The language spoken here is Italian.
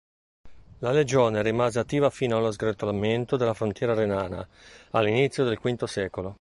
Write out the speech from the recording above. La legione rimase attiva fino allo sgretolamento della frontiera renana, all'inizio del V secolo.